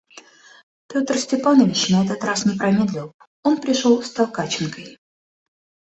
Петр Степанович на этот раз не промедлил; он пришел с Толкаченкой.